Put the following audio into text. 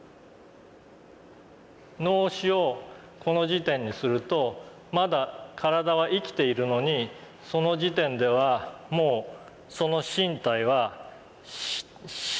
脳死をこの時点にするとまだ体は生きているのにその時点ではもうその身体は死んでいると見なせるっていう。